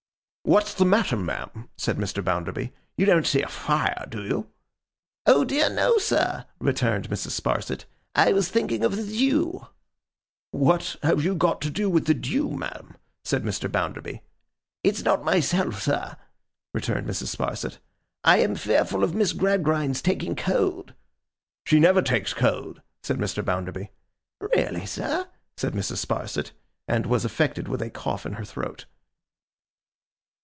'What's the matter, ma'am?' said Mr. Bounderby; 'you don't see a Fire, do you?' 'Oh dear no, sir,' returned Mrs. Sparsit, 'I was thinking of the dew.' 'What have you got to do with the dew, ma'am?' said Mr. Bounderby. 'It's not myself, sir,' returned Mrs. Sparsit, 'I am fearful of Miss Gradgrind's taking cold.' 'She never takes cold,' said Mr. Bounderby. 'Really, sir?' said Mrs. Sparsit. And was affected with a cough in her throat.